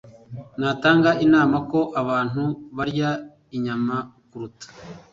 natanga inama ko abantu barya inyama kuruta